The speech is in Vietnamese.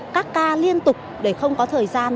các ca liên tục để không có thời gian